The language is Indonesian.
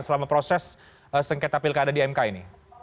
selama proses sengketa pilkada di mk ini